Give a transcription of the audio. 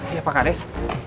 iya pak kades